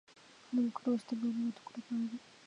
彼も苦労したぶん、思うところがある